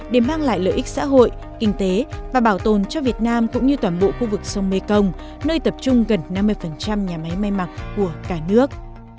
để mang lại lợi ích xã hội kinh tế và bảo tồn cho việt nam cũng như toàn bộ khu vực sông mekong nơi tập trung gần năm mươi nhà máy may mặc của cả nước